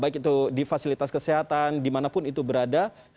baik itu di fasilitas kesehatan dimanapun itu berada